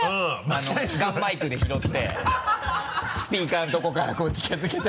ガンマイクで拾ってスピーカーのところからこう近づけて。